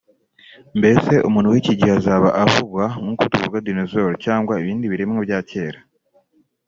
Mbese umuntu wiki gihe azaba avugwa nk’uko tuvuga Dinosaur cyangwa ibindi biremwa bya kera